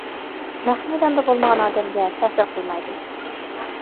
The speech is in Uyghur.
نەق مەيداندا بولمىغان ئادەمگە تەسىر قىلمايدۇ.